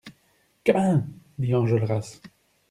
Gamin ! dit Enjolras.